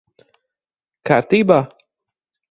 Kārtībā?